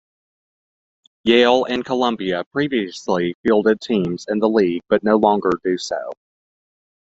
Yale and Columbia previously fielded teams in the league but no longer do so.